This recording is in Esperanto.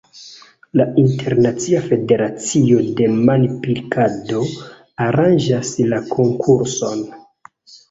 La Internacia Federacio de Manpilkado aranĝas la konkurson.